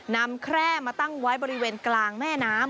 แคร่มาตั้งไว้บริเวณกลางแม่น้ำ